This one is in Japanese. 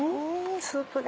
スープが。